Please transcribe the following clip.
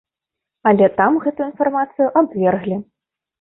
Але там гэту інфармацыю абверглі.